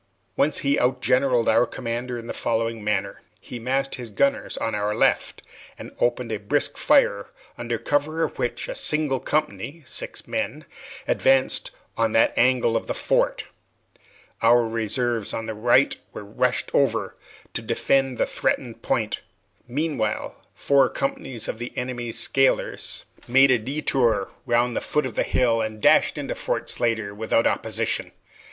Once he outgeneralled our commander in the following manner: He massed his gunners on our left and opened a brisk fire, under cover of which a single company (six men) advanced on that angle of the fort. Our reserves on the right rushed over to defend the threatened point. Meanwhile, four companies of the enemy's scalers made a detour round the foot of the hill, and dashed into Fort Slatter without opposition.